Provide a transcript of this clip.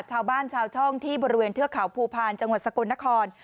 ชาวบ้านชาวช่องที่บริเวณเทือกเขาภูพาลจังหวัดสกลนคร